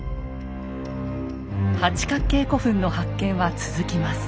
八角形古墳の発見は続きます。